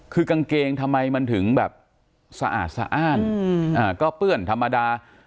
คือกางเกงทำไมมันถึงแบบสะอาดสะอ้านก็เปื้อนธรรมดา